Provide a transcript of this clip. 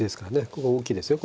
ここは大きいですよ